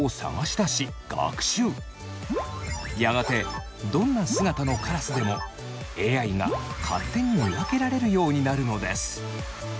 やがてどんな姿のカラスでもＡＩが勝手に見分けられるようになるのです。